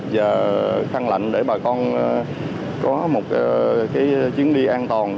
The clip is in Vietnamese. và khăn lạnh để bà con có một chiến đi an toàn